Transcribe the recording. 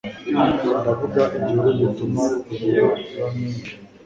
ndavuga igihuru gituma imibu iba myinshi